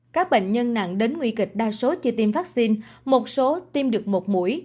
các bệnh nhân nặng đến nguy kịch đa số chưa tiêm vaccine một số tiêm được một mũi